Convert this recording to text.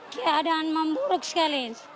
keadaan memburuk sekali